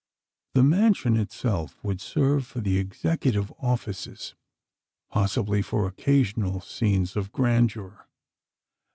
The mansion itself would serve for the executive offices, possibly for occasional scenes of grandeur.